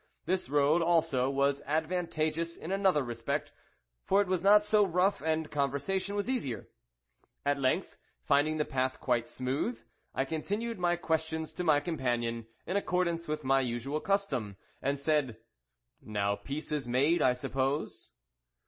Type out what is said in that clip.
This road, also, was advantageous in another respect, for it was not so rough, and conversation was easier. At length, finding the path quite smooth, I continued my questions to my companion, in accordance with my usual custom, and said "Now peace is made, I suppose?"